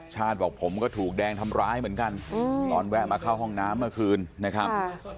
ชาติบอกผมก็ถูกแดงทำร้ายเหมือนกันตอนแวะมาเข้าห้องน้ำเมื่อคืนนะครับ